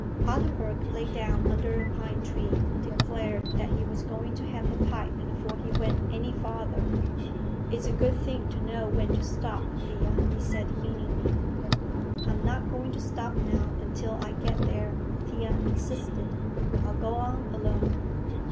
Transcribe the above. Ottenburg lay down under a pine tree and declared that he was going to have a pipe before he went any farther. "It's a good thing to know when to stop, Thea," he said meaningly. "I'm not going to stop now until I get there," Thea insisted. "I'll go on alone."